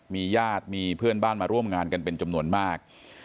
มีญาติมีเพื่อนบ้านมาร่วมงานกันเป็นจำนวนมาก